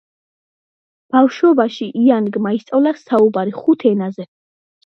ბავშვობაში იანგმა ისწავლა საუბარი ხუთ ენაზე.